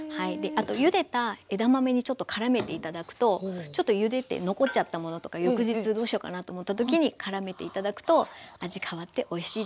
あとゆでた枝豆にちょっとからめて頂くとちょっとゆでて残っちゃったものとか翌日どうしようかなと思った時にからめて頂くと味変わっておいしいです。